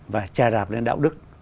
và trà đạp lên đạo đức